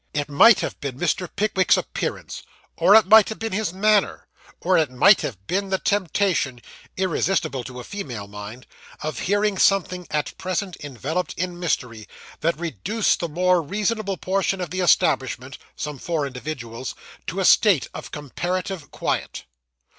It might have been Mr. Pickwick's appearance, or it might have been his manner, or it might have been the temptation irresistible to a female mind of hearing something at present enveloped in mystery, that reduced the more reasonable portion of the establishment (some four individuals) to a state of comparative quiet.